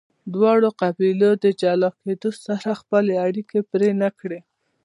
دواړو قبیلو د جلا کیدو سره خپلې اړیکې پرې نه کړې.